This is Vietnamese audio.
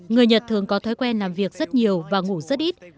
người nhật thường có thói quen làm việc rất nhiều và ngủ rất ít